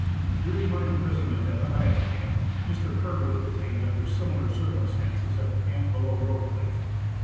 During my imprisonment at the highest camp, Mr. Kerr was detained under similar circumstances at the camp below Rope cliff.